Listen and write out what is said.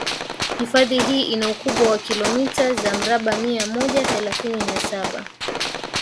Hifadhi hii ina ukubwa wa kilometa za mraba mia moja thelathini na saba